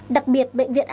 đặc biệt bệnh viện ở gaza